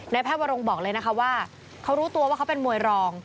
แพทย์วรงบอกเลยนะคะว่าเขารู้ตัวว่าเขาเป็นมวยรอง